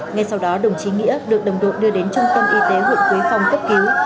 ngay sau đó đồng chí nghĩa được đồng đội đưa đến trung tâm y tế huyện quế phong cấp cứu